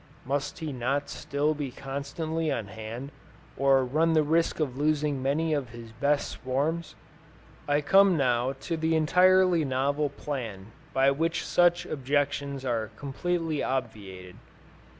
Must he not still be constantly on hand, or run the risk of losing many of his best swarms? I come now to the entirely novel plan by which such objections are completely obviated.